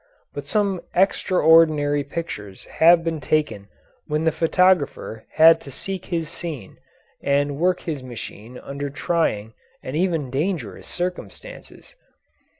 But some extra ordinary pictures have been taken when the photographer had to seek his scene and work his machine under trying and even dangerous circumstances.